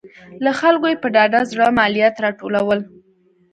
له خلکو یې په ډاډه زړه مالیات راټولول.